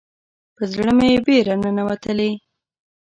په زړه مې بیره ننوتلې